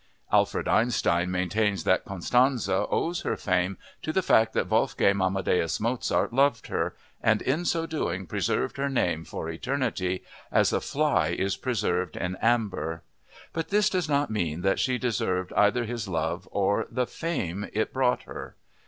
Alfred Einstein maintains that Constanze owes her fame "to the fact that Wolfgang Amadeus Mozart loved her, and in so doing preserved her name for eternity, as a fly is preserved in amber. But this does not mean that she deserved either his love or the fame it brought her."